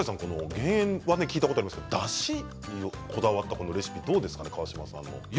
減塩は聞いたことありますけれどもだしにこだわったレシピどうですか。